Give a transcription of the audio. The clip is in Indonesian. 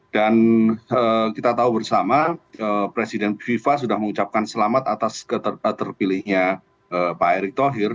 kita tahu bersama presiden fifa sudah mengucapkan selamat atas terpilihnya pak erick thohir